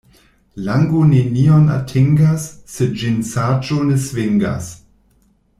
Lango nenion atingas, se ĝin saĝo ne svingas.